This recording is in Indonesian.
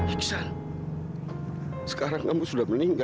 iksan sekarang kamu sudah meninggal